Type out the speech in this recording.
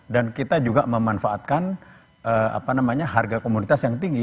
dan kita juga memanfaatkan harga komunitas yang tinggi